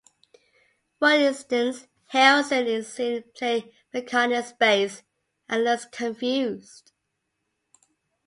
For instance, Harrison is seen playing McCartney's bass and looks confused.